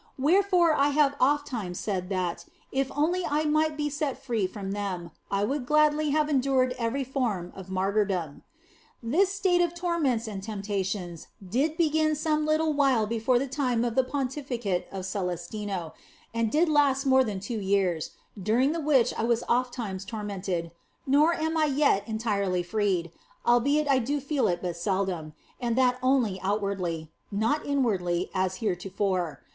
Wherefore have I ofttimes said that, if only I might be set free from them, I would gladly have endured every form of martyrdom. This state of torments and temptations did begin some little while before the time of the pontificate of Celestino and did last more than two years, during the which I was ofttimes tormented, nor am OF FOLIGNO 23 I even yet entirely freed, albeit I do now feel it but seldom, and that only outwardly, not inwardly as hereto fore.